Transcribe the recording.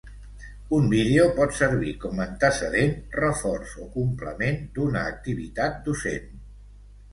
Un vídeo pot servir com antecedent, reforç o complement d'una activitat docent.